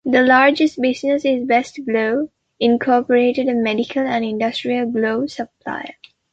The largest business is Best Glove, Incorporated a medical and industrial glove supplier.